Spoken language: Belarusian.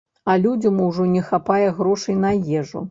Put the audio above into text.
А людзям ужо не хапае грошай на ежу.